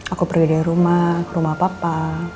aku pergi dari rumah ke rumah papa